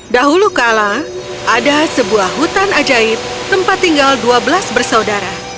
dahulu kala ada sebuah hutan ajaib tempat tinggal dua belas bersaudara